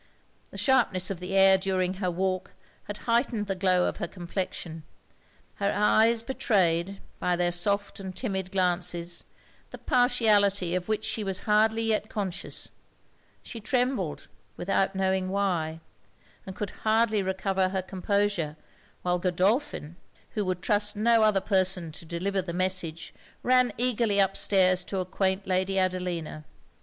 The sharpness of the air during her walk had heightened the glow of her complexion; her eyes betrayed, by their soft and timid glances, the partiality of which she was hardly yet conscious; she trembled, without knowing why; and could hardly recover her composure, while Godolphin, who would trust no other person to deliver the message, ran eagerly up stairs to acquaint Lady Adelina.